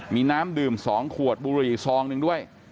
มีน้ำดื่ม๒ขวดบุรี๒นึงด้วย